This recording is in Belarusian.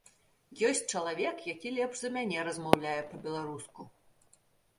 Ёсць чалавек, які лепш за мяне размаўляе па-беларуску.